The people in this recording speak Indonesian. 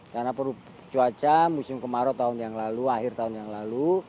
karena perubahan cuaca musim kemarau tahun yang lalu akhir tahun yang lalu